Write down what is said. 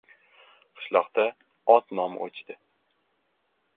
Qishloqda ot nomi o‘chdi.